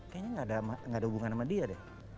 kayaknya nggak ada hubungan sama dia deh